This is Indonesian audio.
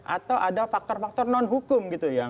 atau ada faktor faktor non hukum gitu ya